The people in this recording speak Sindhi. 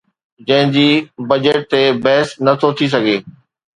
جنهن جي بجيٽ تي بحث نه ٿو ٿي سگهي